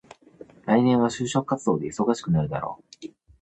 来年は就職活動で忙しくなるだろう。